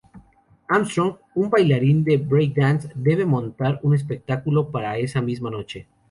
Armstrong, un bailarín de breakdance, debe montar un espectáculo para esa misma noche.